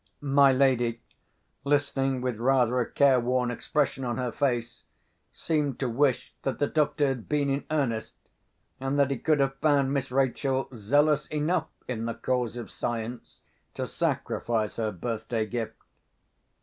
My lady, listening with rather a careworn expression on her face, seemed to wish that the doctor had been in earnest, and that he could have found Miss Rachel zealous enough in the cause of science to sacrifice her birthday gift.